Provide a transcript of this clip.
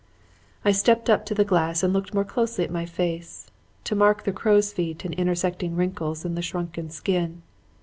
"I stepped up to the glass to look more closely at my face, to mark the crow's feet and intersecting wrinkles in the shrunken skin.